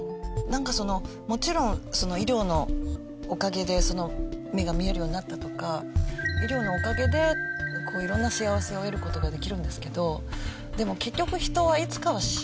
なんかそのもちろん医療のおかげで目が見えるようになったとか医療のおかげで色んな幸せを得る事ができるんですけどでも。